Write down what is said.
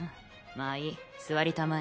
まあいい座りたまえ